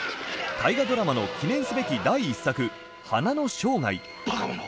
大河ドラマの記念すべき第１作「花の生涯」。